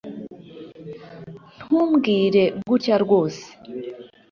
ntumbwire gutya rwose